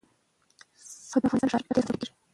سرحدونه د افغانستان د ښاري پراختیا سبب کېږي.